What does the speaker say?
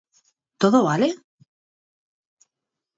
Todo vale?